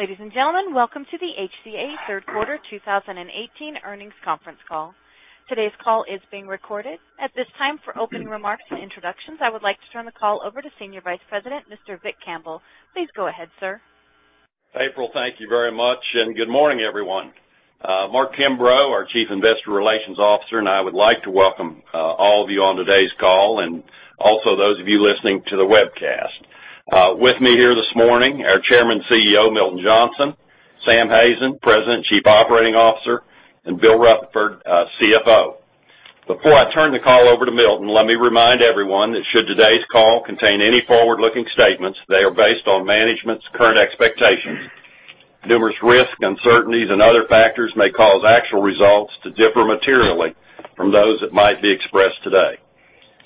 Ladies and gentlemen, welcome to the HCA Healthcare third quarter 2018 earnings conference call. Today's call is being recorded. At this time, for opening remarks and introductions, I would like to turn the call over to Senior Vice President, Mr. Vic Campbell. Please go ahead, sir. April, thank you very much. Good morning, everyone. Mark Kimbrough, our Chief Investor Relations Officer, I would like to welcome all of you on today's call, also those of you listening to the webcast. With me here this morning, our Chairman, CEO, Milton Johnson; Sam Hazen, President, Chief Operating Officer; Bill Rutherford, CFO. Before I turn the call over to Milton, let me remind everyone that should today's call contain any forward-looking statements, they are based on management's current expectations. Numerous risks, uncertainties, and other factors may cause actual results to differ materially from those that might be expressed today.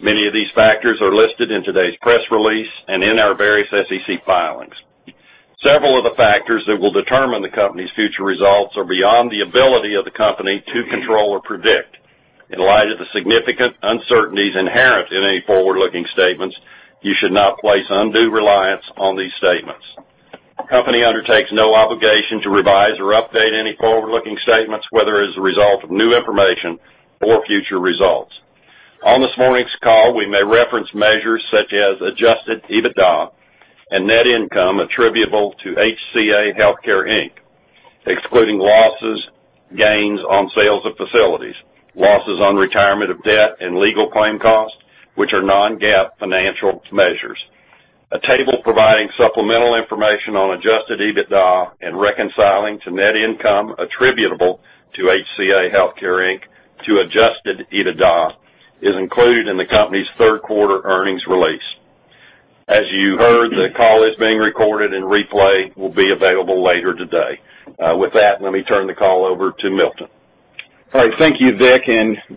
Many of these factors are listed in today's press release, in our various SEC filings. Several of the factors that will determine the company's future results are beyond the ability of the company to control or predict. In light of the significant uncertainties inherent in any forward-looking statements, you should not place undue reliance on these statements. The company undertakes no obligation to revise or update any forward-looking statements, whether as a result of new information or future results. On this morning's call, we may reference measures such as adjusted EBITDA and net income attributable to HCA Healthcare, Inc., excluding losses, gains on sales of facilities, losses on retirement of debt, and legal claim costs, which are non-GAAP financial measures. A table providing supplemental information on adjusted EBITDA and reconciling to net income attributable to HCA Healthcare, Inc. to adjusted EBITDA is included in the company's third quarter earnings release. As you heard, the call is being recorded and replay will be available later today. With that, let me turn the call over to Milton. All right. Thank you, Vic.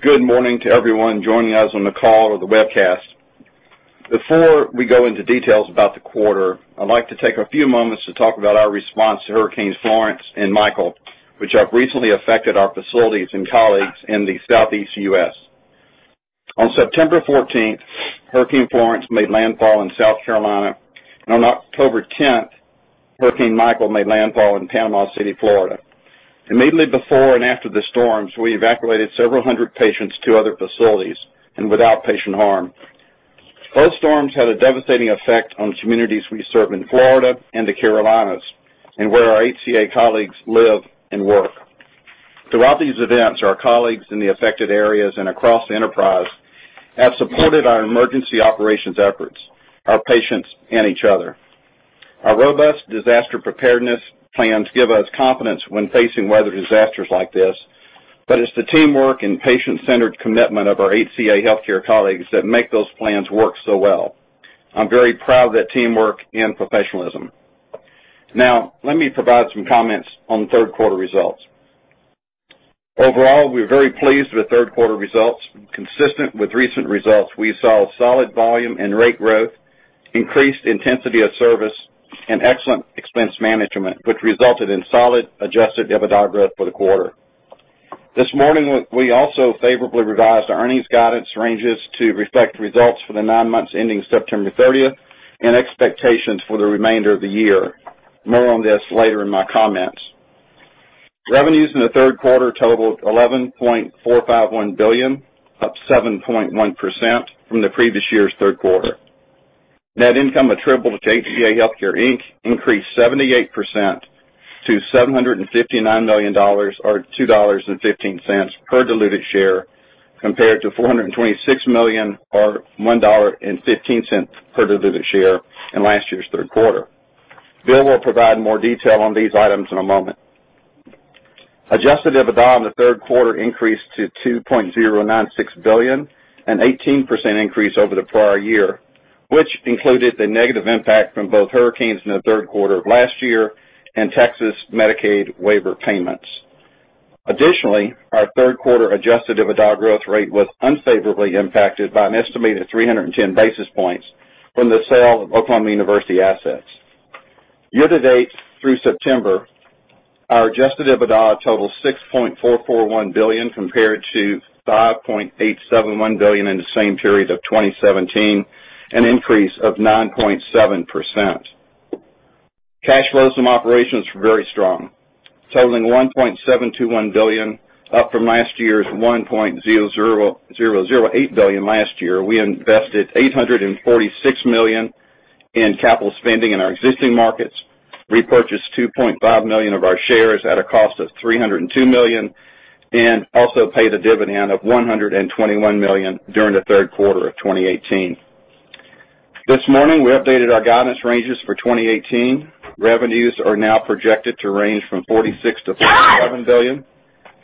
Good morning to everyone joining us on the call or the webcast. Before we go into details about the quarter, I'd like to take a few moments to talk about our response to Hurricane Florence and Hurricane Michael, which have recently affected our facilities and colleagues in the Southeast U.S. On September 14th, Hurricane Florence made landfall in South Carolina. On October 10th, Hurricane Michael made landfall in Panama City, Florida. Immediately before and after the storms, we evacuated several hundred patients to other facilities without patient harm. Both storms had a devastating effect on the communities we serve in Florida and the Carolinas, where our HCA Healthcare colleagues live and work. Throughout these events, our colleagues in the affected areas across the enterprise have supported our emergency operations efforts, our patients, each other. Our robust disaster preparedness plans give us confidence when facing weather disasters like this, but it's the teamwork and patient-centered commitment of our HCA Healthcare colleagues that make those plans work so well. I'm very proud of that teamwork and professionalism. Now, let me provide some comments on third quarter results. Overall, we're very pleased with third quarter results. Consistent with recent results, we saw solid volume and rate growth, increased intensity of service, and excellent expense management, which resulted in solid adjusted EBITDA growth for the quarter. This morning, we also favorably revised our earnings guidance ranges to reflect results for the nine months ending September 30th and expectations for the remainder of the year. More on this later in my comments. Revenues in the third quarter totaled $11.451 billion, up 7.1% from the previous year's third quarter. Net income attributable to HCA Healthcare, Inc. increased 78% to $759 million or $2.15 per diluted share, compared to $426 million or $1.15 per diluted share in last year's third quarter. Bill will provide more detail on these items in a moment. Adjusted EBITDA in the third quarter increased to $2.096 billion, an 18% increase over the prior year, which included the negative impact from both hurricanes in the third quarter of last year and Texas Medicaid waiver payments. Additionally, our third quarter adjusted EBITDA growth rate was unfavorably impacted by an estimated 310 basis points from the sale of Oklahoma University assets. Year-to-date through September, our adjusted EBITDA totals $6.441 billion, compared to $5.871 billion in the same period of 2017, an increase of 9.7%. Cash flows from operations were very strong, totaling $1.721 billion, up from last year's $1.008 billion last year. We invested $846 million in capital spending in our existing markets, repurchased 2.5 million of our shares at a cost of $302 million, and also paid a dividend of $121 million during the third quarter of 2018. This morning, we updated our guidance ranges for 2018. Revenues are now projected to range from $46 billion-$47 billion.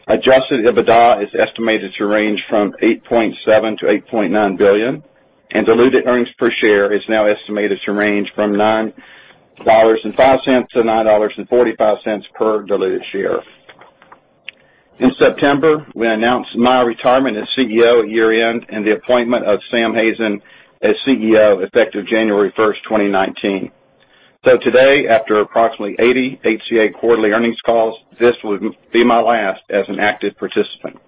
Adjusted EBITDA is estimated to range from $8.7 billion-$8.9 billion, and diluted earnings per share is now estimated to range from $9.05-$9.45 per diluted share. In September, we announced my retirement as CEO at year-end and the appointment of Sam Hazen as CEO effective January 1st, 2019. Today, after approximately 80 HCA quarterly earnings calls, this will be my last as an active participant.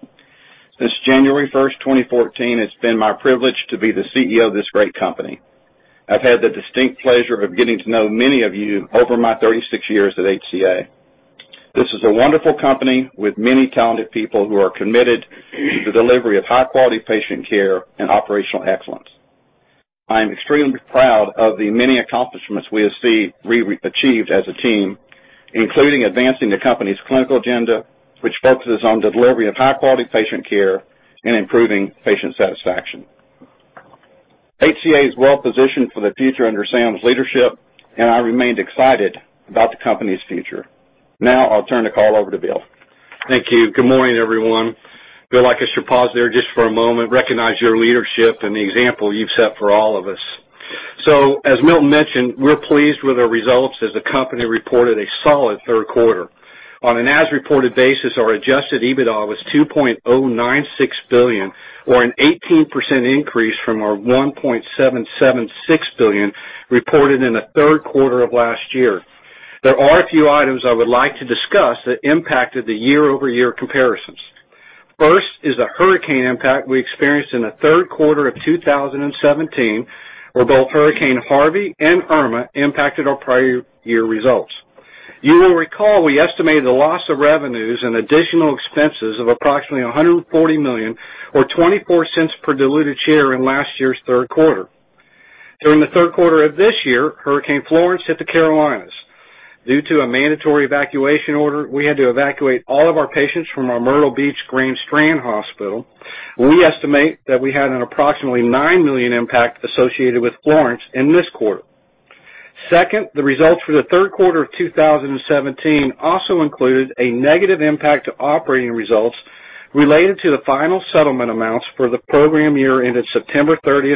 Since January 1st, 2014, it's been my privilege to be the CEO of this great company. I've had the distinct pleasure of getting to know many of you over my 36 years at HCA. This is a wonderful company with many talented people who are committed to the delivery of high-quality patient care and operational excellence. I am extremely proud of the many accomplishments we have achieved as a team, including advancing the company's clinical agenda, which focuses on the delivery of high-quality patient care and improving patient satisfaction. HCA is well-positioned for the future under Sam's leadership, and I remain excited about the company's future. I'll turn the call over to Bill. Thank you. Good morning, everyone. Feel like I should pause there just for a moment, recognize your leadership and the example you've set for all of us. As Milton mentioned, we're pleased with our results as the company reported a solid third quarter. On an as-reported basis, our adjusted EBITDA was $2.096 billion, or an 18% increase from our $1.776 billion reported in the third quarter of last year. There are a few items I would like to discuss that impacted the year-over-year comparisons. First is the hurricane impact we experienced in the third quarter of 2017, where both Hurricane Harvey and Hurricane Irma impacted our prior year results. You will recall we estimated the loss of revenues and additional expenses of approximately $140 million, or $0.24 per diluted share in last year's third quarter. During the third quarter of this year, Hurricane Florence hit the Carolinas. Due to a mandatory evacuation order, we had to evacuate all of our patients from our Myrtle Beach Grand Strand hospital. We estimate that we had an approximately $9 million impact associated with Florence in this quarter. Second, the results for the third quarter of 2017 also included a negative impact to operating results related to the final settlement amounts for the program year ended September 30,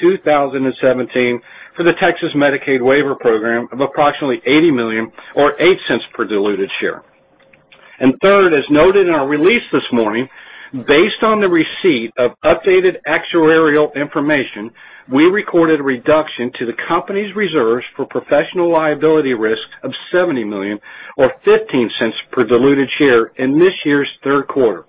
2017, for the Texas Medicaid Waiver Program of approximately $80 million or $0.08 per diluted share. Third, as noted in our release this morning, based on the receipt of updated actuarial information, we recorded a reduction to the company's reserves for professional liability risk of $70 million or $0.15 per diluted share in this year's third quarter.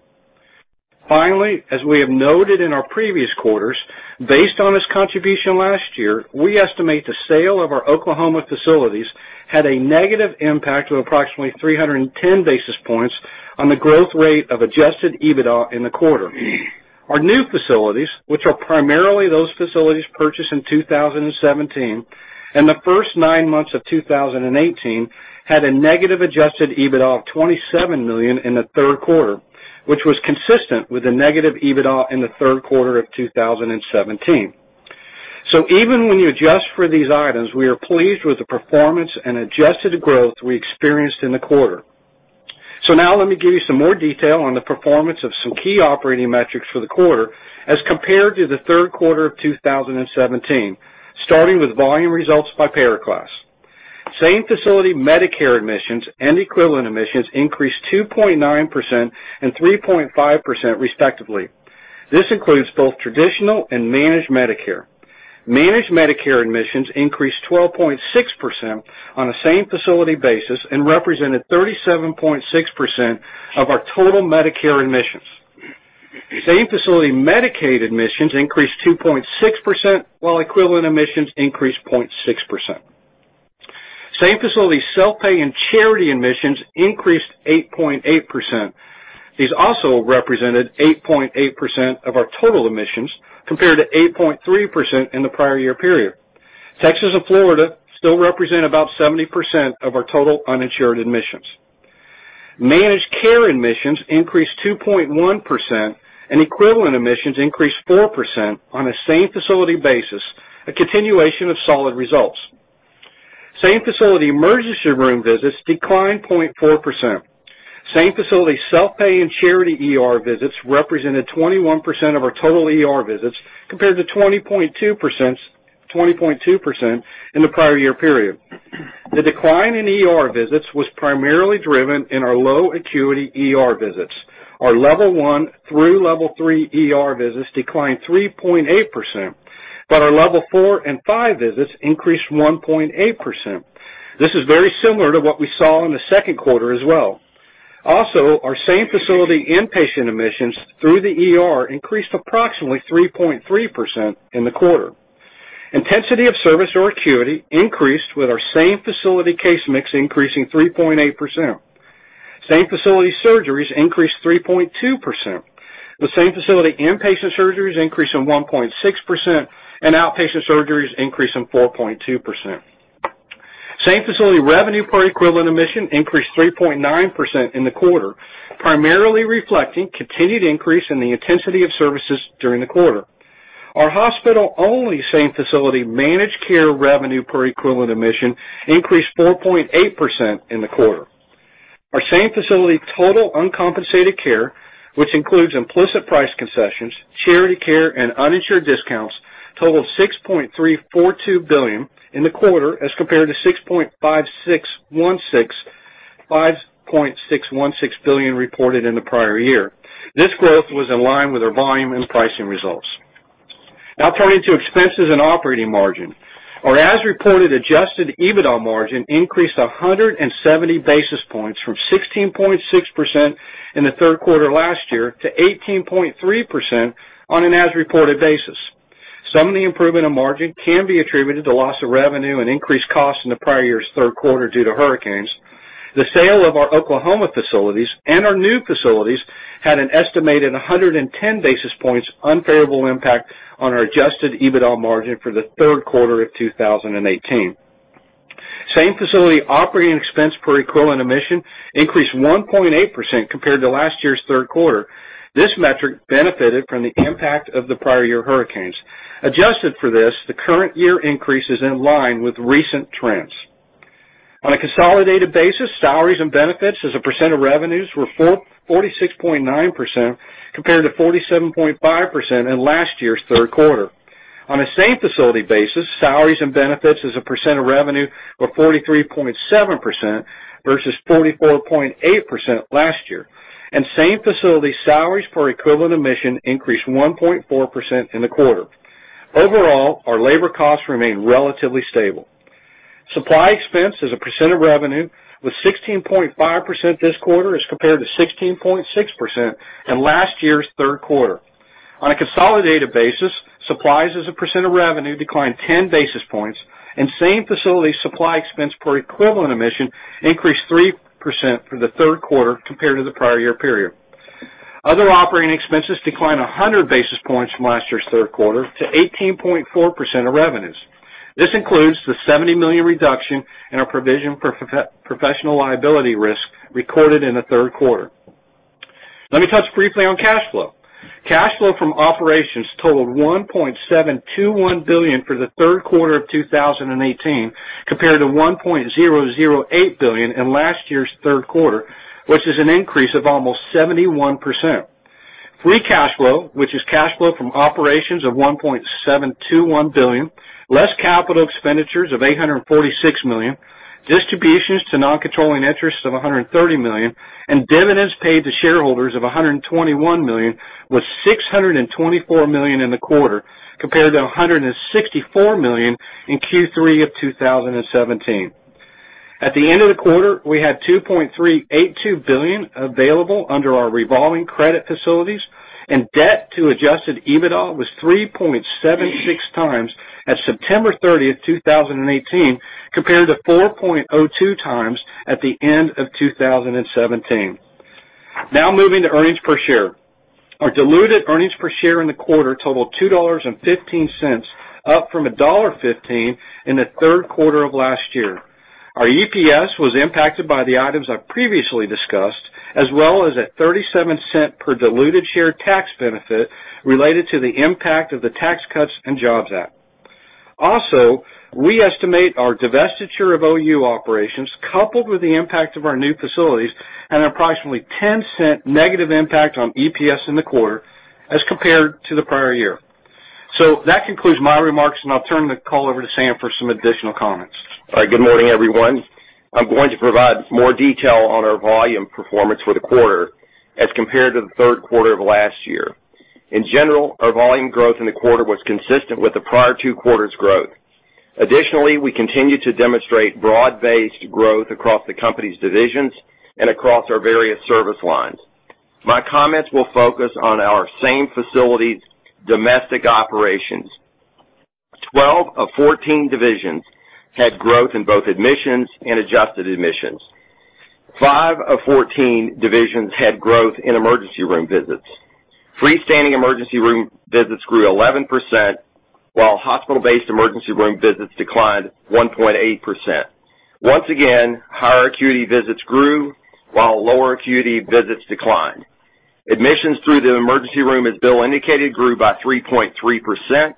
Finally, as we have noted in our previous quarters, based on its contribution last year, we estimate the sale of our Oklahoma facilities had a negative impact of approximately 310 basis points on the growth rate of adjusted EBITDA in the quarter. Our new facilities, which are primarily those facilities purchased in 2017 and the first nine months of 2018, had a negative adjusted EBITDA of $27 million in the third quarter, which was consistent with the negative EBITDA in the third quarter of 2017. Even when you adjust for these items, we are pleased with the performance and adjusted growth we experienced in the quarter. Now let me give you some more detail on the performance of some key operating metrics for the quarter as compared to the third quarter of 2017, starting with volume results by payer class. Same-facility Medicare admissions and equivalent admissions increased 2.9% and 3.5% respectively. This includes both traditional and managed Medicare. Managed Medicare admissions increased 12.6% on a same-facility basis and represented 37.6% of our total Medicare admissions. Same-facility Medicaid admissions increased 2.6%, while equivalent admissions increased 0.6%. Same-facility self-pay and charity admissions increased 8.8%. These also represented 8.8% of our total admissions, compared to 8.3% in the prior year period. Texas and Florida still represent about 70% of our total uninsured admissions. Managed care admissions increased 2.1% and equivalent admissions increased 4% on a same-facility basis, a continuation of solid results. Same-facility emergency room visits declined 0.4%. Same-facility self-pay and charity ER visits represented 21% of our total ER visits, compared to 20.2% in the prior year period. The decline in ER visits was primarily driven in our low acuity ER visits. Our level 1 through level 3 ER visits declined 3.8%, but our level 4 and 5 visits increased 1.8%. This is very similar to what we saw in the second quarter as well. Also, our same-facility inpatient admissions through the ER increased approximately 3.3% in the quarter. Intensity of service or acuity increased with our same-facility case mix increasing 3.8%. Same-facility surgeries increased 3.2% with same-facility inpatient surgeries increasing 1.6% and outpatient surgeries increasing 4.2%. Same-facility revenue per equivalent admission increased 3.9% in the quarter, primarily reflecting continued increase in the intensity of services during the quarter. Our hospital-only same-facility managed care revenue per equivalent admission increased 4.8% in the quarter. Our same-facility total uncompensated care, which includes implicit price concessions, charity care, and uninsured discounts, totaled $6.342 billion in the quarter as compared to $5.616 billion reported in the prior year. This growth was in line with our volume and pricing results. Now turning to expenses and operating margin. Our as-reported adjusted EBITDA margin increased 170 basis points from 16.6% in the third quarter last year to 18.3% on an as-reported basis. Some of the improvement in margin can be attributed to loss of revenue and increased costs in the prior year's third quarter due to hurricanes. The sale of our Oklahoma facilities and our new facilities had an estimated 110 basis points unfavorable impact on our adjusted EBITDA margin for the third quarter of 2018. Same-facility operating expense per equivalent admission increased 1.8% compared to last year's third quarter. This metric benefited from the impact of the prior year hurricanes. Adjusted for this, the current year increase is in line with recent trends. On a consolidated basis, salaries and benefits as a percent of revenues were 46.9%, compared to 47.5% in last year's third quarter. On a same-facility basis, salaries and benefits as a percent of revenue were 43.7% versus 44.8% last year. Same-facility salaries per equivalent admission increased 1.4% in the quarter. Overall, our labor costs remained relatively stable. Supply expense as a percent of revenue was 16.5% this quarter, as compared to 16.6% in last year's third quarter. On a consolidated basis, supplies as a percent of revenue declined 10 basis points, and same-facility supply expense per equivalent admission increased 3% for the third quarter compared to the prior year period. Other operating expenses declined 100 basis points from last year's third quarter to 18.4% of revenues. This includes the $70 million reduction in our provision for professional liability risk recorded in the third quarter. Let me touch briefly on cash flow. Cash flow from operations totaled $1.721 billion for the third quarter of 2018, compared to $1.008 billion in last year's third quarter, which is an increase of almost 71%. Free cash flow, which is cash flow from operations of $1.721 billion, less capital expenditures of $846 million, distributions to non-controlling interests of $130 million, and dividends paid to shareholders of $121 million, was $624 million in the quarter, compared to $164 million in Q3 of 2017. At the end of the quarter, we had $2.382 billion available under our revolving credit facilities, and debt to adjusted EBITDA was 3.76 times at September 30, 2018, compared to 4.02 times at the end of 2017. Now moving to earnings per share. Our diluted earnings per share in the quarter totaled $2.15, up from $1.15 in the third quarter of last year. Our EPS was impacted by the items I previously discussed, as well as a $0.37 per diluted share tax benefit related to the impact of the Tax Cuts and Jobs Act. Also, we estimate our divestiture of OU operations coupled with the impact of our new facilities had an approximately $0.10 negative impact on EPS in the quarter as compared to the prior year. That concludes my remarks, and I'll turn the call over to Sam for some additional comments. All right. Good morning, everyone. I'm going to provide more detail on our volume performance for the quarter as compared to the third quarter of last year. In general, our volume growth in the quarter was consistent with the prior two quarters' growth. Additionally, we continue to demonstrate broad-based growth across the company's divisions and across our various service lines. My comments will focus on our same-facilities domestic operations. 12 of 14 divisions had growth in both admissions and adjusted admissions. Five of 14 divisions had growth in emergency room visits. Freestanding emergency room visits grew 11%, while hospital-based emergency room visits declined 1.8%. Once again, higher acuity visits grew while lower acuity visits declined. Admissions through the emergency room, as Bill indicated, grew by 3.3%.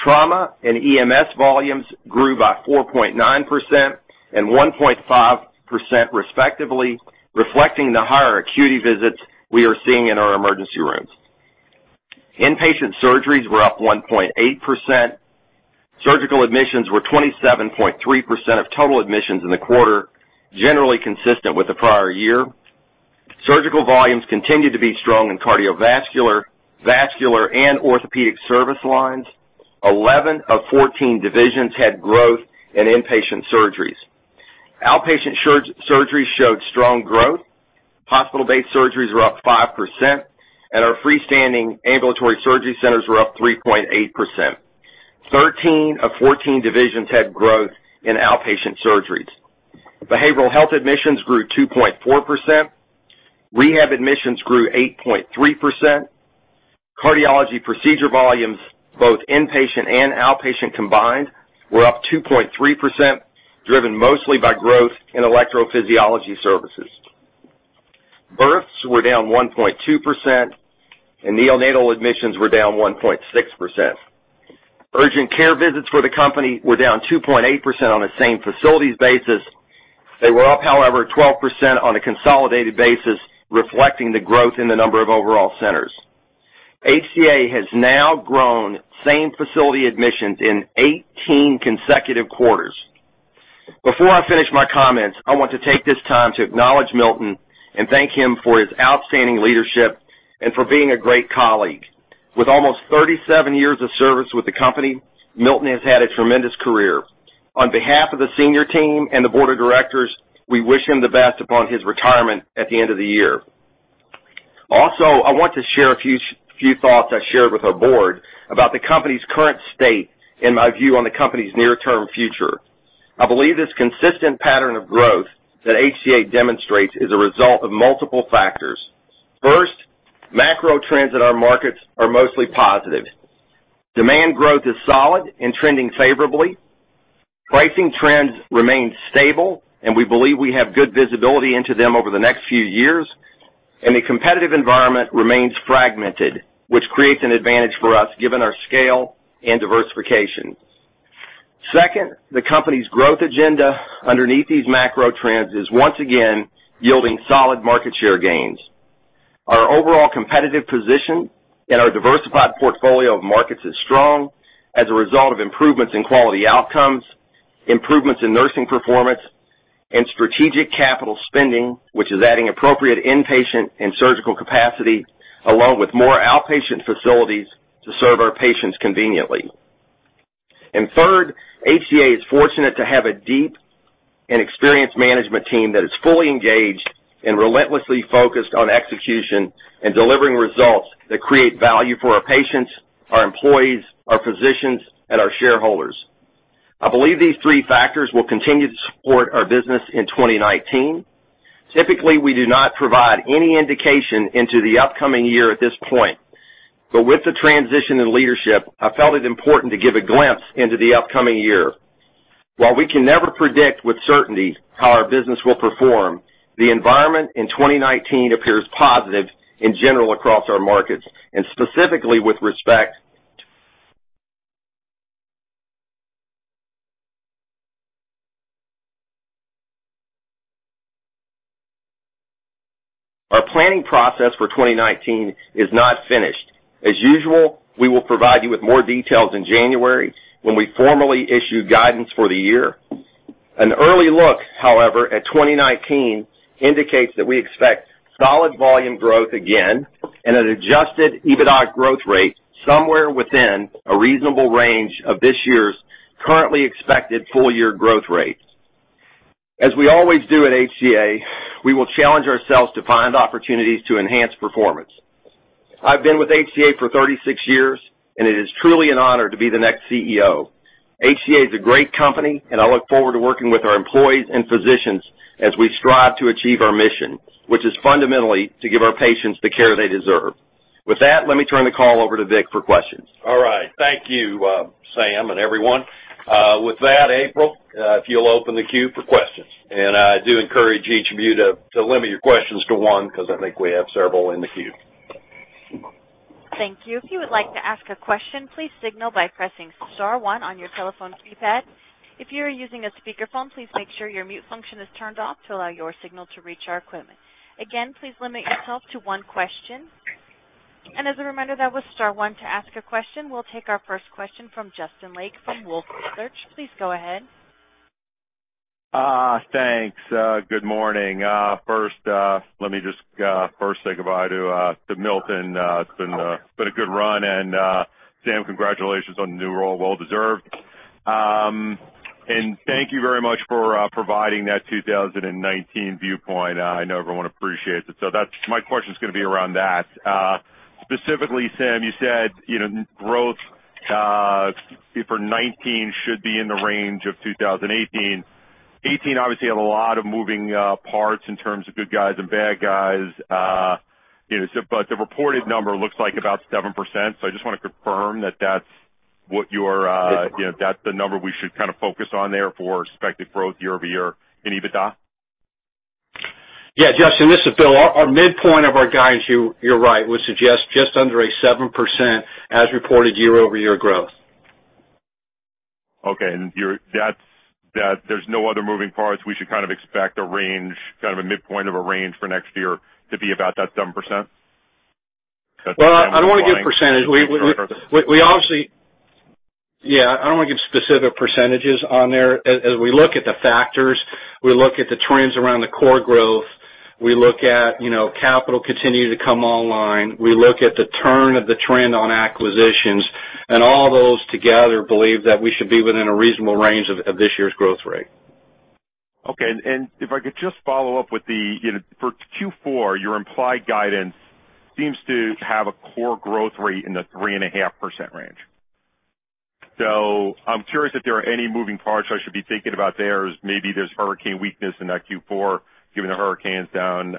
Trauma and EMS volumes grew by 4.9% and 1.5%, respectively, reflecting the higher acuity visits we are seeing in our emergency rooms. Inpatient surgeries were up 1.8%. Surgical admissions were 27.3% of total admissions in the quarter, generally consistent with the prior year. Surgical volumes continued to be strong in cardiovascular, vascular, and orthopedic service lines. 11 of 14 divisions had growth in inpatient surgeries. Outpatient surgeries showed strong growth. Hospital-based surgeries were up 5%, and our freestanding ambulatory surgery centers were up 3.8%. 13 of 14 divisions had growth in outpatient surgeries. Behavioral health admissions grew 2.4%. Rehab admissions grew 8.3%. Cardiology procedure volumes, both inpatient and outpatient combined, were up 2.3%, driven mostly by growth in electrophysiology services. Births were down 1.2%, and neonatal admissions were down 1.6%. Urgent care visits for the company were down 2.8% on a same facilities basis. They were up, however, 12% on a consolidated basis, reflecting the growth in the number of overall centers. HCA has now grown same-facility admissions in 18 consecutive quarters. Before I finish my comments, I want to take this time to acknowledge Milton and thank him for his outstanding leadership and for being a great colleague. With almost 37 years of service with the company, Milton has had a tremendous career. On behalf of the senior team and the board of directors, we wish him the best upon his retirement at the end of the year. Also, I want to share a few thoughts I shared with our board about the company's current state and my view on the company's near-term future. I believe this consistent pattern of growth that HCA demonstrates is a result of multiple factors. First, macro trends in our markets are mostly positive. Demand growth is solid and trending favorably. Pricing trends remain stable. We believe we have good visibility into them over the next few years. The competitive environment remains fragmented, which creates an advantage for us given our scale and diversification. Second, the company's growth agenda underneath these macro trends is once again yielding solid market share gains. Our overall competitive position and our diversified portfolio of markets is strong as a result of improvements in quality outcomes, improvements in nursing performance, and strategic capital spending, which is adding appropriate inpatient and surgical capacity, along with more outpatient facilities to serve our patients conveniently. Third, HCA is fortunate to have a deep and experienced management team that is fully engaged and relentlessly focused on execution and delivering results that create value for our patients, our employees, our physicians, and our shareholders. I believe these three factors will continue to support our business in 2019. Typically, we do not provide any indication into the upcoming year at this point. With the transition in leadership, I felt it important to give a glimpse into the upcoming year. While we can never predict with certainty how our business will perform, the environment in 2019 appears positive in general across our markets. Our planning process for 2019 is not finished. As usual, we will provide you with more details in January when we formally issue guidance for the year. An early look, however, at 2019 indicates that we expect solid volume growth again and an adjusted EBITDA growth rate somewhere within a reasonable range of this year's currently expected full-year growth rates. As we always do at HCA, we will challenge ourselves to find opportunities to enhance performance. I've been with HCA for 36 years, and it is truly an honor to be the next CEO. HCA is a great company. I look forward to working with our employees and physicians as we strive to achieve our mission, which is fundamentally to give our patients the care they deserve. With that, let me turn the call over to Vic for questions. All right. Thank you, Sam, and everyone. With that, April, if you'll open the queue for questions. I do encourage each of you to limit your questions to one because I think we have several in the queue. Thank you. If you would like to ask a question, please signal by pressing star one on your telephone keypad. If you are using a speakerphone, please make sure your mute function is turned off to allow your signal to reach our equipment. Again, please limit yourself to one question. As a reminder, that was star one to ask a question. We'll take our first question from Justin Lake from Wolfe Research. Please go ahead. Thanks. Good morning. First, let me just say goodbye to Milton. It's been a good run, and Sam, congratulations on the new role. Well deserved. Thank you very much for providing that 2019 viewpoint. I know everyone appreciates it. That's my question is going to be around that. Specifically, Sam, you said growth for 2019 should be in the range of 2018. 2018 obviously had a lot of moving parts in terms of good guys and bad guys. The reported number looks like about 7%. I just want to confirm that that's the number we should kind of focus on there for expected growth year-over-year in EBITDA. Justin, this is Bill. Our midpoint of our guidance, you're right, would suggest just under a 7% as reported year-over-year growth. There's no other moving parts. We should kind of expect a range, kind of a midpoint of a range for next year to be about that 7%? Well, I don't want to give percentage. Yeah, I don't want to give specific percentages on there. As we look at the factors, we look at the trends around the core growth, we look at capital continuing to come online. We look at the turn of the trend on acquisitions and all those together believe that we should be within a reasonable range of this year's growth rate. Okay, if I could just follow up with the, for Q4, your implied guidance seems to have a core growth rate in the 3.5% range. I'm curious if there are any moving parts I should be thinking about there as maybe there's hurricane weakness in that Q4, given the hurricanes down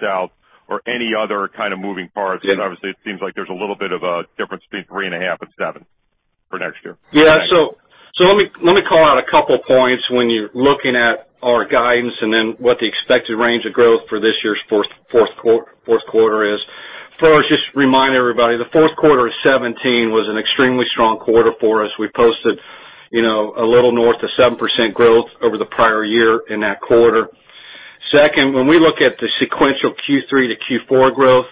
south or any other kind of moving parts. Obviously it seems like there's a little bit of a difference between 3.5% and 7% for next year. Yeah. Let me call out a couple points when you're looking at our guidance and then what the expected range of growth for this year's fourth quarter is. First, just remind everybody, the fourth quarter of 2017 was an extremely strong quarter for us. We posted a little north of 7% growth over the prior year in that quarter. Second, when we look at the sequential Q3 to Q4 growth,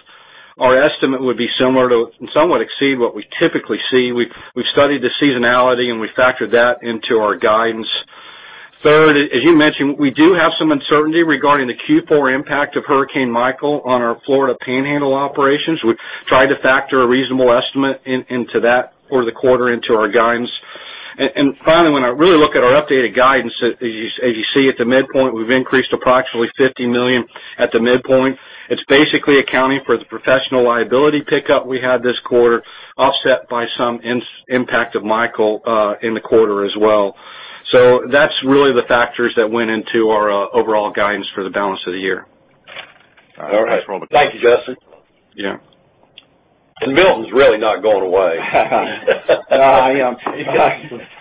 our estimate would be similar to and somewhat exceed what we typically see. We've studied the seasonality, and we factored that into our guidance. Third, as you mentioned, we do have some uncertainty regarding the Q4 impact of Hurricane Michael on our Florida Panhandle operations. We tried to factor a reasonable estimate into that for the quarter into our guidance. Finally, when I really look at our updated guidance, as you see at the midpoint, we've increased approximately $50 million at the midpoint. It's basically accounting for the professional liability pickup we had this quarter, offset by some impact of Michael in the quarter as well. That's really the factors that went into our overall guidance for the balance of the year. All right. Thank you, Justin. Yeah. Milton's really not going away. Yeah.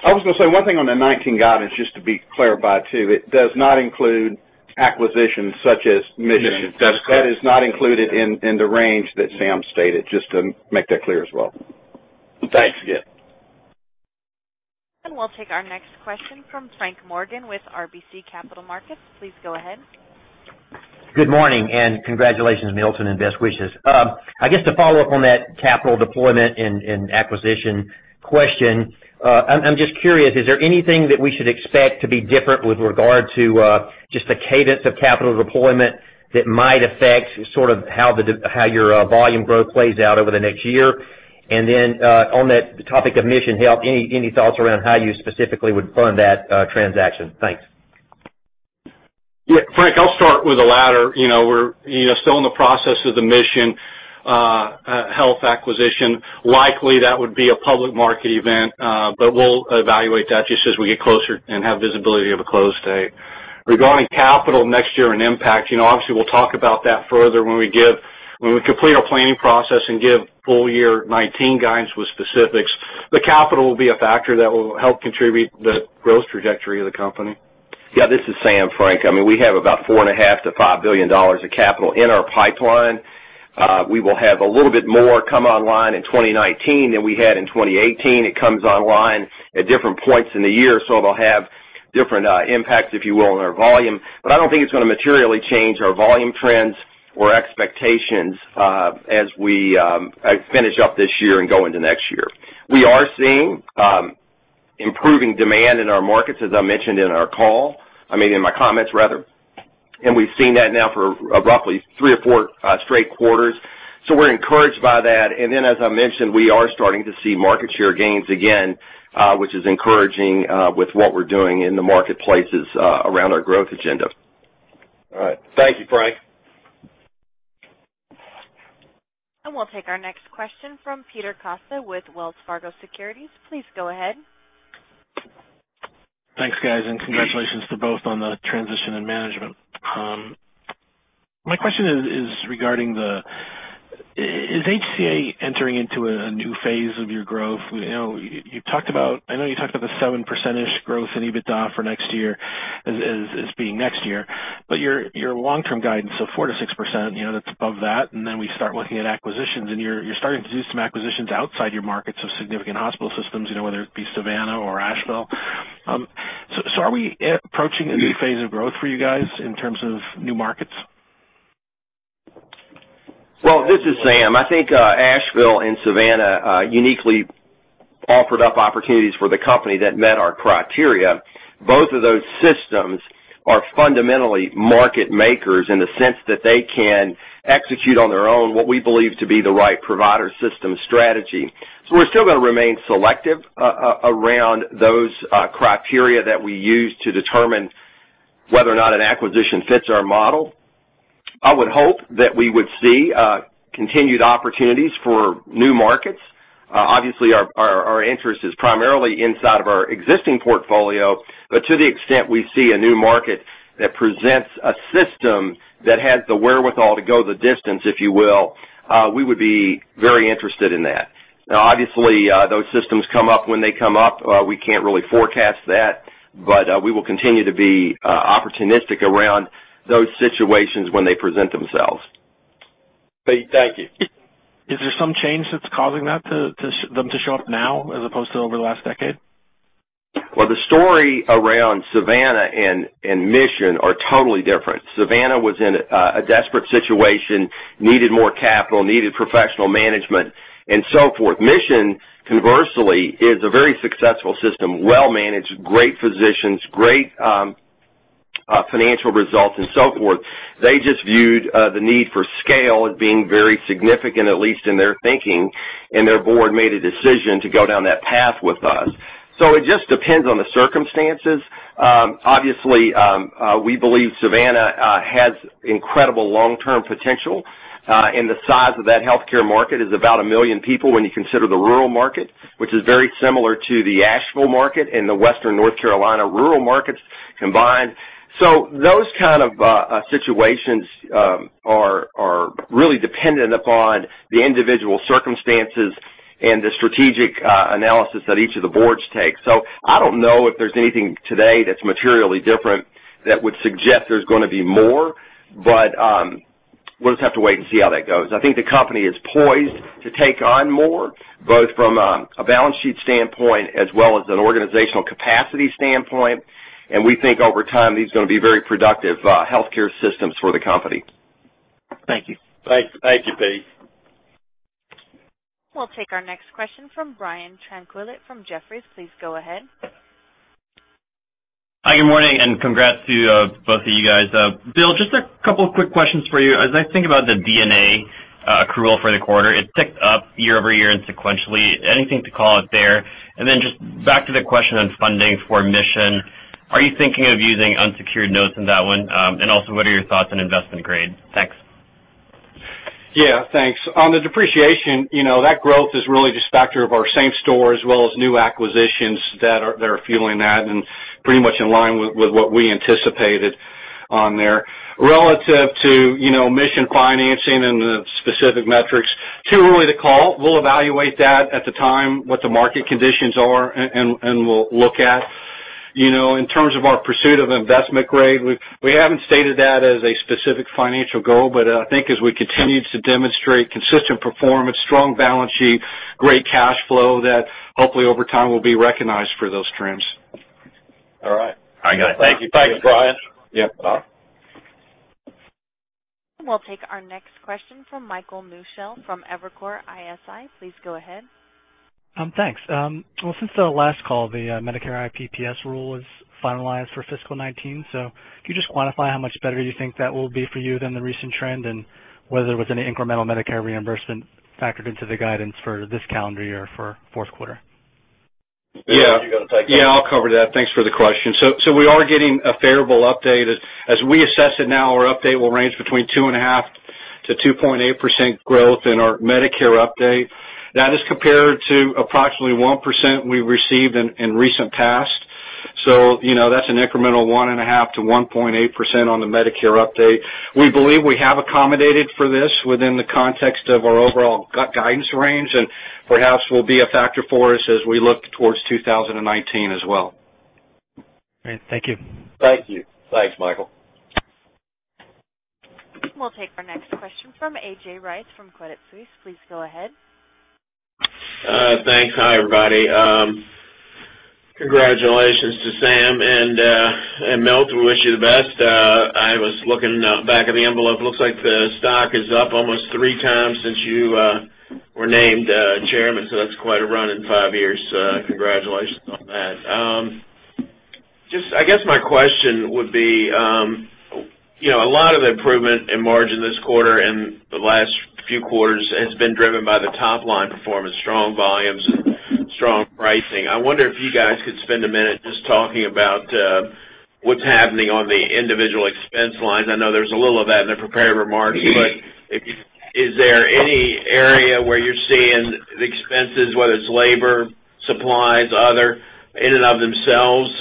I was going to say one thing on the 2019 guidance, just to be clear about it too, it does not include acquisitions such as Mission. That's correct. That is not included in the range that Sam stated, just to make that clear as well. Thanks again. We'll take our next question from Frank Morgan with RBC Capital Markets. Please go ahead. Good morning, congratulations, Milton, and best wishes. I guess to follow up on that capital deployment and acquisition question, I'm just curious, is there anything that we should expect to be different with regard to just the cadence of capital deployment that might affect how your volume growth plays out over the next year? On that topic of Mission Health, any thoughts around how you specifically would fund that transaction? Thanks. Yeah. Frank, I'll start with the latter. We're still in the process of the Mission Health acquisition. Likely, that would be a public market event, but we'll evaluate that just as we get closer and have visibility of a close date. Regarding capital next year and impact, obviously, we'll talk about that further when we complete our planning process and give full year 2019 guidance with specifics. The capital will be a factor that will help contribute the growth trajectory of the company. Yeah, this is Sam. Frank, we have about $4.5 billion-$5 billion of capital in our pipeline. We will have a little bit more come online in 2019 than we had in 2018. It comes online at different points in the year, so it'll have different impacts, if you will, on our volume. I don't think it's going to materially change our volume trends or expectations as we finish up this year and go into next year. We are seeing improving demand in our markets, as I mentioned in our call. I mean, in my comments rather. We've seen that now for roughly three or four straight quarters. We're encouraged by that. Then, as I mentioned, we are starting to see market share gains again, which is encouraging with what we're doing in the marketplaces around our growth agenda. All right. Thank you, Frank. We'll take our next question from Peter Costa with Wells Fargo Securities. Please go ahead. Thanks, guys, and congratulations to both on the transition in management. My question is regarding, is HCA entering into a new phase of your growth? I know you talked about the 7% growth in EBITDA for next year as being next year, but your long-term guidance of 4%-6%, that's above that. We start looking at acquisitions, and you're starting to do some acquisitions outside your markets of significant hospital systems, whether it be Savannah or Asheville. Are we approaching a new phase of growth for you guys in terms of new markets? Well, this is Sam. I think Asheville and Savannah uniquely offered up opportunities for the company that met our criteria. Both of those systems are fundamentally market makers in the sense that they can execute on their own what we believe to be the right provider system strategy. We're still going to remain selective around those criteria that we use to determine whether or not an acquisition fits our model. I would hope that we would see continued opportunities for new markets. Obviously, our interest is primarily inside of our existing portfolio. To the extent we see a new market that presents a system that has the wherewithal to go the distance, if you will, we would be very interested in that. Obviously, those systems come up when they come up. We can't really forecast that, but we will continue to be opportunistic around those situations when they present themselves. Pete, thank you. Is there some change that's causing that, them to show up now as opposed to over the last decade? The story around Savannah and Mission are totally different. Savannah was in a desperate situation, needed more capital, needed professional management, and so forth. Mission, conversely, is a very successful system, well-managed, great physicians, great financial results, and so forth. They just viewed the need for scale as being very significant, at least in their thinking, and their board made a decision to go down that path with us. It just depends on the circumstances. Obviously, we believe Savannah has incredible long-term potential, and the size of that healthcare market is about 1 million people when you consider the rural market, which is very similar to the Asheville market and the Western North Carolina rural markets combined. Those kind of situations are really dependent upon the individual circumstances and the strategic analysis that each of the boards take. I don't know if there's anything today that's materially different that would suggest there's going to be more. We'll just have to wait and see how that goes. I think the company is poised to take on more, both from a balance sheet standpoint as well as an organizational capacity standpoint. We think over time, these are going to be very productive healthcare systems for the company. Thank you. Thank you, Pete. We'll take our next question from Brian Tanquilut from Jefferies. Please go ahead. Hi, good morning, and congrats to both of you guys. Bill, just a couple of quick questions for you. As I think about the D&A accrual for the quarter, it ticked up year-over-year and sequentially. Anything to call out there? Then just back to the question on funding for Mission, are you thinking of using unsecured notes in that one? Also, what are your thoughts on investment grade? Thanks. Yeah. Thanks. On the depreciation, that growth is really just a factor of our same store as well as new acquisitions that are fueling that and pretty much in line with what we anticipated on there. Relative to Mission financing and the specific metrics, too early to call. We'll evaluate that at the time, what the market conditions are, and we'll look at. In terms of our pursuit of investment grade, we haven't stated that as a specific financial goal, but I think as we continue to demonstrate consistent performance, strong balance sheet, great cash flow, that hopefully over time we'll be recognized for those trends. All right. All right. Thank you, Brian. Yep. Bye. We'll take our next question from Michael Newshel from Evercore ISI. Please go ahead. Thanks. Well, since the last call, the Medicare IPPS rule was finalized for fiscal 2019. Can you just quantify how much better you think that will be for you than the recent trend, and whether there was any incremental Medicare reimbursement factored into the guidance for this calendar year for fourth quarter? Bill, do you got to take that? Yeah, I'll cover that. Thanks for the question. We are getting a favorable update. As we assess it now, our update will range between 2.5%-2.8% growth in our Medicare update. That is compared to approximately 1% we received in recent past. That's an incremental 1.5%-1.8% on the Medicare update. We believe we have accommodated for this within the context of our overall guidance range, and perhaps will be a factor for us as we look towards 2019 as well. Great. Thank you. Thank you. Thanks, Michael. We'll take our next question from A.J. Rice from Credit Suisse. Please go ahead. Thanks. Hi, everybody. Congratulations to Sam and Milt. We wish you the best. I was looking back at the envelope. It looks like the stock is up almost three times since you were named chairman, so that's quite a run in five years. Congratulations on that. I guess my question would be, a lot of improvement in margin this quarter and the last few quarters has been driven by the top-line performance, strong volumes, and strong pricing. I wonder if you guys could spend a minute just talking about what's happening on the individual expense lines. I know there's a little of that in the prepared remarks, but is there any area where you're seeing the expenses, whether it's labor, supplies, other, in and of themselves,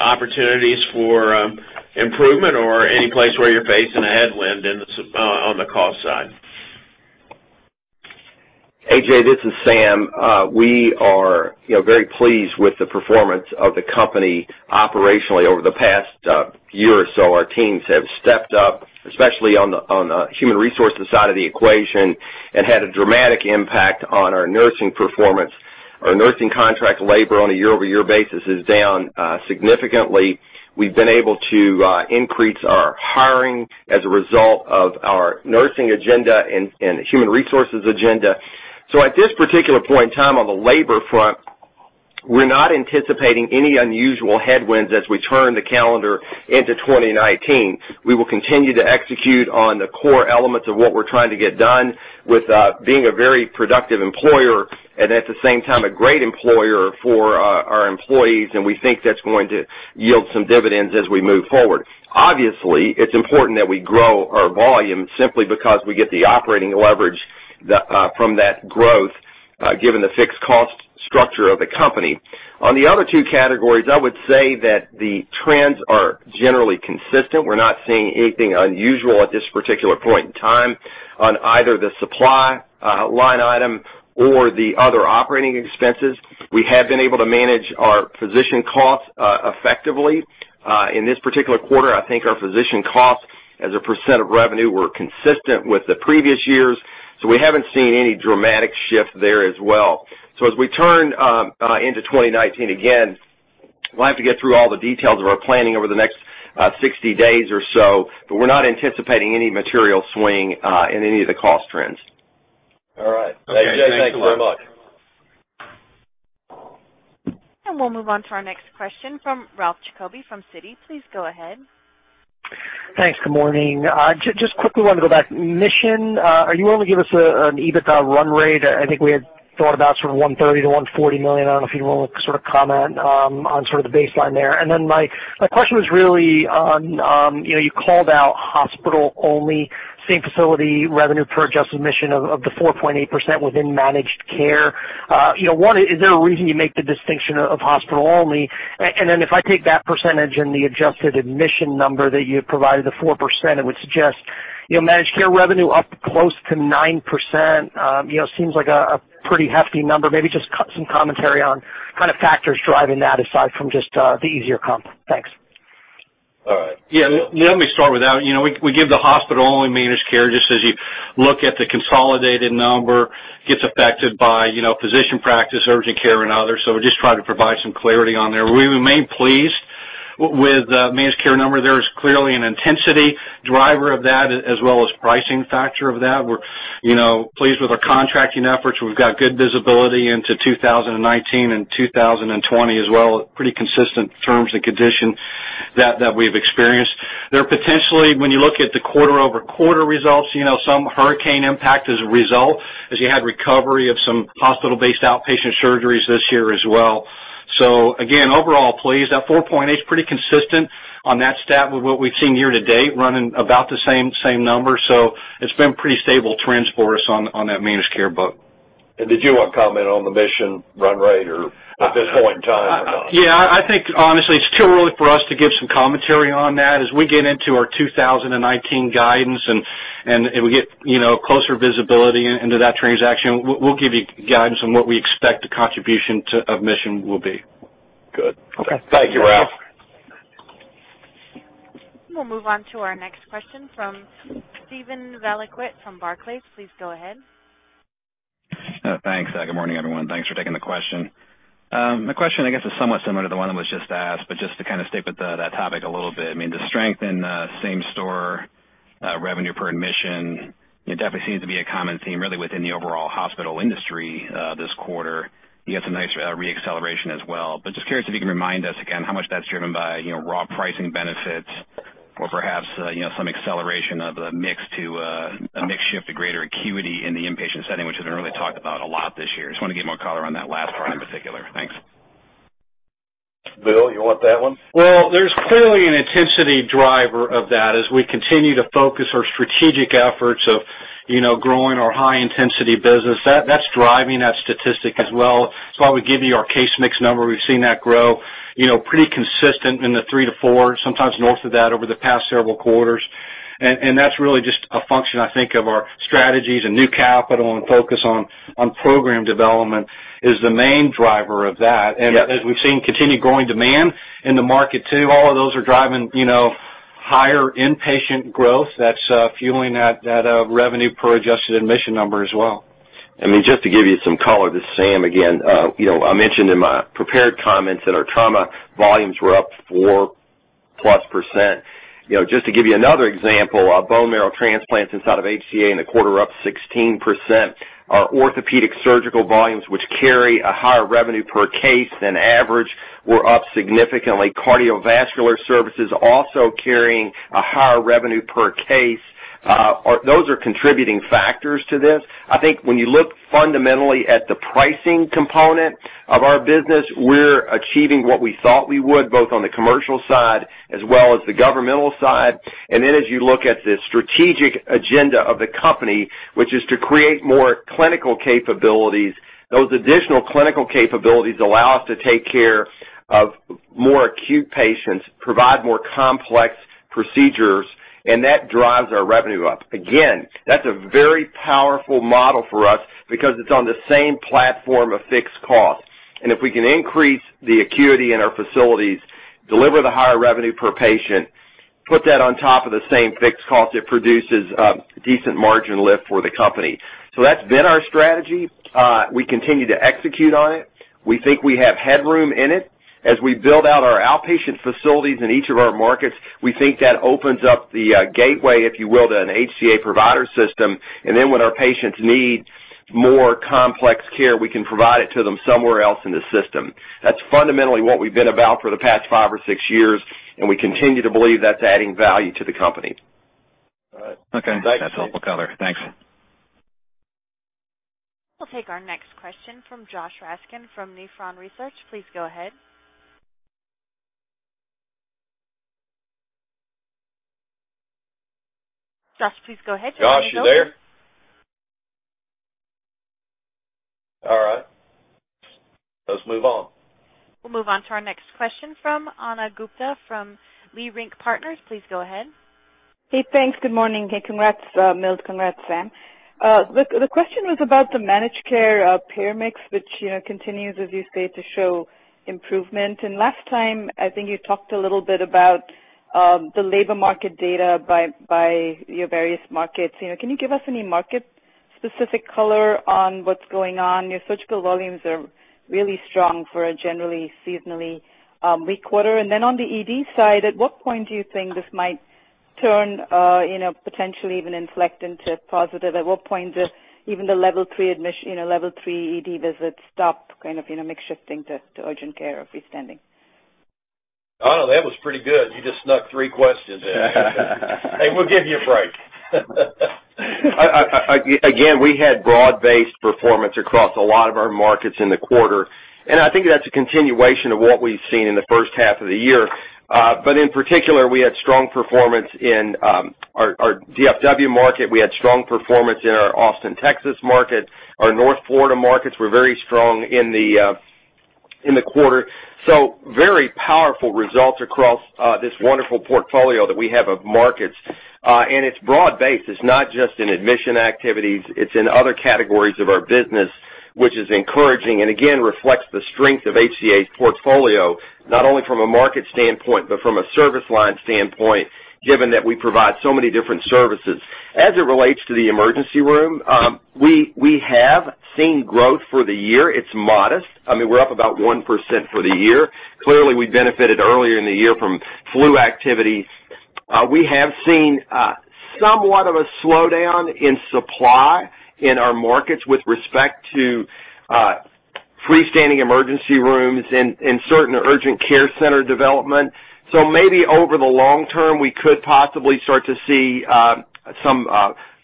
opportunities for improvement or any place where you're facing a headwind on the cost side? A.J., this is Sam. We are very pleased with the performance of the company operationally over the past year or so. Our teams have stepped up, especially on the human resources side of the equation, and had a dramatic impact on our nursing performance. Our nursing contract labor on a year-over-year basis is down significantly. We've been able to increase our hiring as a result of our nursing agenda and human resources agenda. At this particular point in time on the labor front, we're not anticipating any unusual headwinds as we turn the calendar into 2019. We will continue to execute on the core elements of what we're trying to get done with being a very productive employer and at the same time, a great employer for our employees, and we think that's going to yield some dividends as we move forward. Obviously, it's important that we grow our volume simply because we get the operating leverage from that growth, given the fixed cost structure of the company. On the other two categories, I would say that the trends are generally consistent. We're not seeing anything unusual at this particular point in time on either the supply line item or the other operating expenses. We have been able to manage our physician costs effectively. In this particular quarter, I think our physician costs as a percent of revenue were consistent with the previous years, we haven't seen any dramatic shift there as well. As we turn into 2019, again, we'll have to get through all the details of our planning over the next 60 days or so, we're not anticipating any material swing in any of the cost trends. All right. A.J., thanks very much. We'll move on to our next question from Ralph Giacobbe from Citi. Please go ahead. Thanks. Good morning. Just quickly wanted to go back. Mission, are you able to give us an EBITDA run rate? I think we had thought about sort of $130 million-$140 million. I don't know if you want to sort of comment on sort of the baseline there. My question was really on, you called out hospital-only same-facility revenue per adjusted admission of the 4.8% within managed care. One, is there a reason you make the distinction of hospital only? Then if I take that percentage and the adjusted admission number that you had provided, the 4%, it would suggest managed care revenue up close to 9%. Seems like a pretty hefty number. Maybe just some commentary on kind of factors driving that aside from just the easier comp. Thanks. All right. Yeah. Let me start with that. We give the hospital-only managed care, just as you look at the consolidated number, gets affected by physician practice, urgent care, and others. We just try to provide some clarity on there. We remain pleased with the managed care number. There is clearly an intensity driver of that as well as pricing factor of that. We're pleased with our contracting efforts. We've got good visibility into 2019 and 2020 as well. Pretty consistent terms and conditions that we've experienced. There are potentially, when you look at the quarter-over-quarter results, some hurricane impact as a result, as you had recovery of some hospital-based outpatient surgeries this year as well. Again, overall pleased. That 4.8's pretty consistent on that stat with what we've seen year-to-date, running about the same number. It's been pretty stable trends for us on that managed care book. Did you want to comment on the Mission run rate or at this point in time? Yeah, I think honestly, it's too early for us to give some commentary on that. As we get into our 2019 guidance and we get closer visibility into that transaction, we'll give you guidance on what we expect the contribution of Mission will be. Good. Okay. Thank you, Ralph. We'll move on to our next question from Steve Valiquette from Barclays. Please go ahead. Thanks. Good morning, everyone. Thanks for taking the question. My question, I guess, is somewhat similar to the one that was just asked, just to stick with that topic a little bit, the strength in same-store revenue per admission, it definitely seems to be a common theme really within the overall hospital industry this quarter. You had some nice re-acceleration as well. Just curious if you can remind us again how much that's driven by raw pricing benefits or perhaps some acceleration of the mix to a mix shift to greater acuity in the inpatient setting, which hasn't really talked about a lot this year. Just wanted to get more color on that last part in particular. Thanks. Bill, you want that one? Well, there's clearly an intensity driver of that as we continue to focus our strategic efforts of growing our high-intensity business. That's driving that statistic as well. That's why we give you our case mix number. We've seen that grow pretty consistent in the three to four, sometimes north of that over the past several quarters. That's really just a function, I think, of our strategies and new capital and focus on program development is the main driver of that. Yep. As we've seen, continued growing demand in the market, too. All of those are driving higher inpatient growth that's fueling that revenue per adjusted admission number as well. Just to give you some color, this is Sam again. I mentioned in my prepared comments that our trauma volumes were up 4-plus%. Just to give you another example, our bone marrow transplants inside of HCA in the quarter are up 16%. Our orthopedic surgical volumes, which carry a higher revenue per case than average, were up significantly. Cardiovascular services also carrying a higher revenue per case. Those are contributing factors to this. I think when you look fundamentally at the pricing component of our business, we're achieving what we thought we would, both on the commercial side as well as the governmental side. As you look at the strategic agenda of the company, which is to create more clinical capabilities, those additional clinical capabilities allow us to take care of more acute patients, provide more complex procedures, and that drives our revenue up. Again, that's a very powerful model for us because it's on the same platform of fixed cost. If we can increase the acuity in our facilities, deliver the higher revenue per patient, put that on top of the same fixed cost, it produces a decent margin lift for the company. That's been our strategy. We continue to execute on it. We think we have headroom in it. As we build out our outpatient facilities in each of our markets, we think that opens up the gateway, if you will, to an HCA provider system. When our patients need more complex care, we can provide it to them somewhere else in the system. That's fundamentally what we've been about for the past five or six years, and we continue to believe that's adding value to the company. All right. Okay. That's helpful color. Thanks. We'll take our next question from Josh Raskin from Nephron Research. Please go ahead. Josh, please go ahead. Can you hear me? Josh, you there? All right. Let's move on. We'll move on to our next question from Ana Gupte from Leerink Partners. Please go ahead. Hey, thanks. Good morning. Congrats, Milt. Congrats, Sam. The question was about the managed care peer mix, which continues, as you say, to show improvement. Last time, I think you talked a little bit about the labor market data by your various markets. Can you give us any market-specific color on what's going on? Your surgical volumes are really strong for a generally seasonally weak quarter. On the ED side, at what point do you think this might turn potentially even inflect into positive? At what point does even the level 3 ED visits stop kind of mix shifting to urgent care or freestanding? Ana, that was pretty good. You just snuck three questions in. Hey, we'll give you a break. We had broad-based performance across a lot of our markets in the quarter, and I think that's a continuation of what we've seen in the first half of the year. In particular, we had strong performance in our DFW market. We had strong performance in our Austin, Texas market. Our North Florida markets were very strong in the quarter. Very powerful results across this wonderful portfolio that we have of markets. It's broad based. It's not just in admission activities. It's in other categories of our business Which is encouraging, and again, reflects the strength of HCA's portfolio, not only from a market standpoint but from a service line standpoint, given that we provide so many different services. As it relates to the emergency room, we have seen growth for the year. It's modest. We're up about 1% for the year. Clearly, we benefited earlier in the year from flu activity. We have seen somewhat of a slowdown in supply in our markets with respect to freestanding emergency rooms in certain urgent care center development. Maybe over the long term, we could possibly start to see some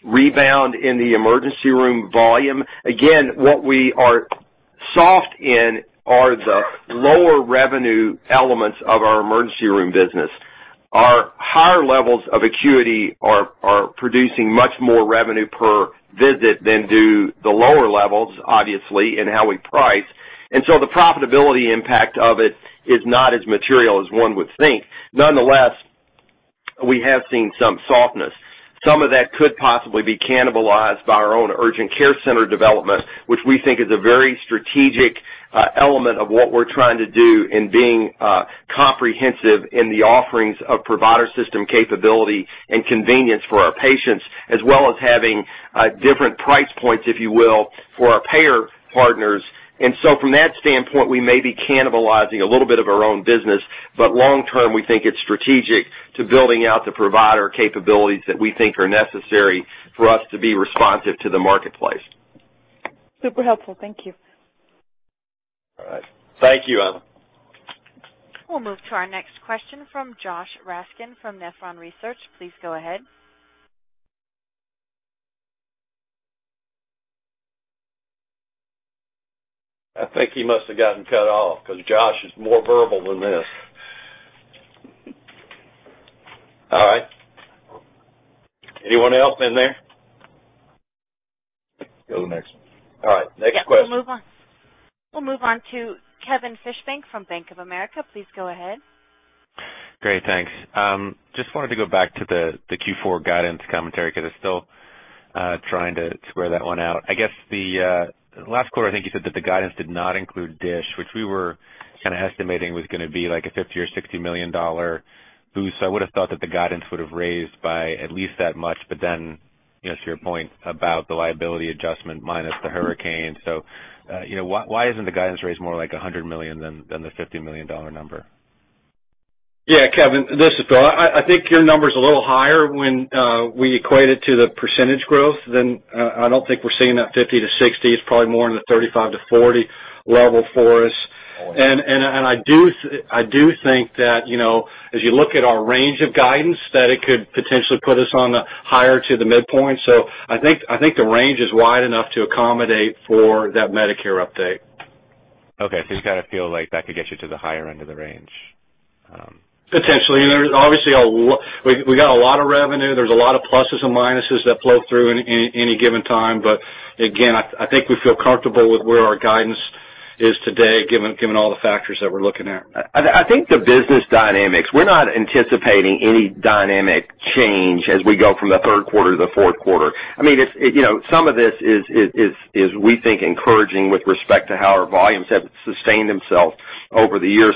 rebound in the emergency room volume. What we are soft in are the lower revenue elements of our emergency room business. Our higher levels of acuity are producing much more revenue per visit than do the lower levels, obviously, in how we price. The profitability impact of it is not as material as one would think. Nonetheless, we have seen some softness. Some of that could possibly be cannibalized by our own urgent care center development, which we think is a very strategic element of what we're trying to do in being comprehensive in the offerings of provider system capability and convenience for our patients, as well as having different price points, if you will, for our payer partners. From that standpoint, we may be cannibalizing a little bit of our own business, but long term, we think it's strategic to building out the provider capabilities that we think are necessary for us to be responsive to the marketplace. Super helpful. Thank you. All right. Thank you, Ana. We'll move to our next question from Josh Raskin from Nephron Research. Please go ahead. I think he must have gotten cut off, because Josh is more verbal than this. All right. Anyone else in there? Go to the next one. All right. Next question. Yeah. We'll move on. We'll move on to Kevin Fischbeck from Bank of America. Please go ahead. Great. Thanks. Just wanted to go back to the Q4 guidance commentary because I'm still trying to square that one out. I guess the last quarter, I think you said that the guidance did not include DSH, which we were kind of estimating was going to be like a $50 million or $60 million boost. I would've thought that the guidance would've raised by at least that much, to your point about the liability adjustment minus the hurricane. Why isn't the guidance raised more like $100 million than the $50 million number? Yeah, Kevin, this is Bill. I think your number's a little higher when we equate it to the percentage growth. I don't think we're seeing that $50 million to $60 million. It's probably more in the $35 million to $40 million level for us. Oh, yeah. I do think that, as you look at our range of guidance, that it could potentially put us on the higher to the midpoint. I think the range is wide enough to accommodate for that Medicare update. Okay. You kind of feel like that could get you to the higher end of the range. Potentially. We got a lot of revenue. There's a lot of pluses and minuses that flow through in any given time. Again, I think we feel comfortable with where our guidance is today, given all the factors that we're looking at. I think the business dynamics, we're not anticipating any dynamic change as we go from the third quarter to the fourth quarter. Some of this is we think encouraging with respect to how our volumes have sustained themselves over the years.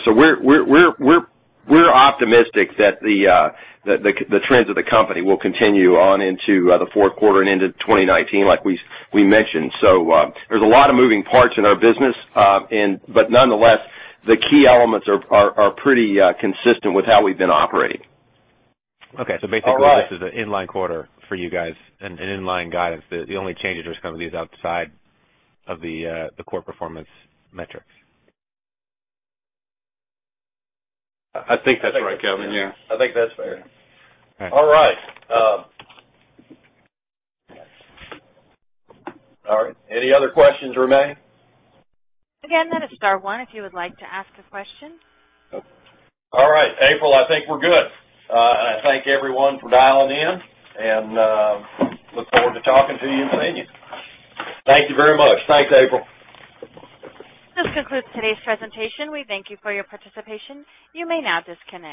We're optimistic that the trends of the company will continue on into the fourth quarter and into 2019, like we mentioned. There's a lot of moving parts in our business, but nonetheless, the key elements are pretty consistent with how we've been operating. Okay. All right This is an in-line quarter for you guys and an in-line guidance. The only change is just kind of these outside of the core performance metrics. I think that's right, Kevin. Yeah. I think that's fair. All right. All right. Any other questions remain? Again, that is star one if you would like to ask a question. All right. April, I think we're good. I thank everyone for dialing in and look forward to talking to you and seeing you. Thank you very much. Thanks, April. This concludes today's presentation. We thank you for your participation. You may now disconnect.